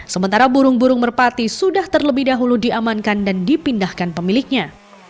sementara burung burung merpati sudah terlebih dahulu diamankan dan dipindahkan pemiliknya